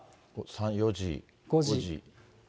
４時、５時。